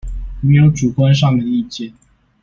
沒有主觀上的意見